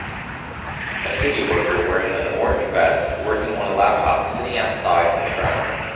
A city worker wearing an orange vest working on a laptop sitting outside on the ground